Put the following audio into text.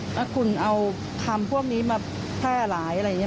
ถ้าคุณเอาคำพวกนี้มาแพร่หลายอะไรอย่างนี้